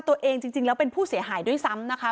จริงแล้วเป็นผู้เสียหายด้วยซ้ำนะคะ